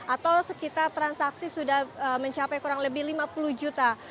atau sekitar transaksi sudah mencapai kurang lebih lima puluh juta